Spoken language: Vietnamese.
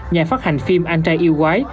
nhà phát hành phim anh trai yêu quái